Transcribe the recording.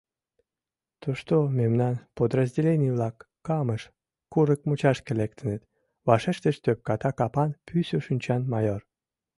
— Тушто мемнан подразделений-влак Камыш курык мучашке лектыныт, — вашештыш тӧпката капан, пӱсӧ шинчан майор.